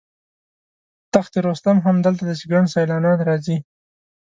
تخت رستم هم دلته دی چې ګڼ سیلانیان راځي.